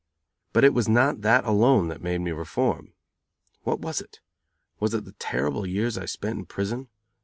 But it was not that alone that made me reform. What was it? Was it the terrible years I spent in prison?